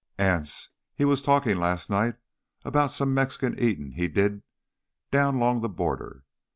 "Anse, he was talkin' last night about some Mexican eatin' he did down 'long the border.